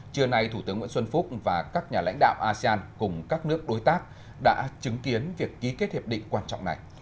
trưa nay thủ tướng nguyễn xuân phúc và các nhà lãnh đạo asean cùng các nước đối tác đã chứng kiến việc ký kết hiệp định quan trọng này